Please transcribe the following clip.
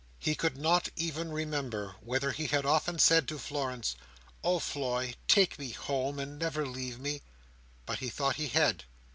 He could not even remember whether he had often said to Florence, "Oh Floy, take me home, and never leave me!" but he thought he had.